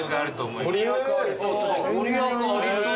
御利益ありそう。